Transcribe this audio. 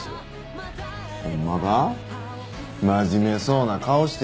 真面目そうな顔して実は。